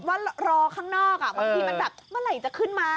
ว่ารอข้างนอกบางทีมันแบบเมื่อไหร่จะขึ้นมา